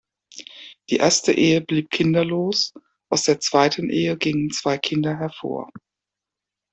Die erste Ehe blieb kinderlos, aus der zweiten Ehe gingen zwei Kinder hervor.